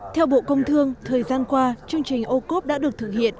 theo bộ công thương thời gian qua chương trình ô cốp đã được thực hiện